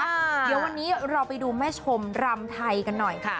เดี๋ยววันนี้เราไปดูแม่ชมรำไทยกันหน่อยค่ะ